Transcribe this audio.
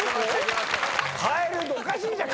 「カエル」っておかしいじゃん！